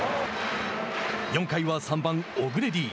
４回は３番、オグレディ。